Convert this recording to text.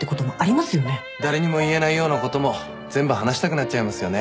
誰にも言えないようなことも全部話したくなっちゃいますよね。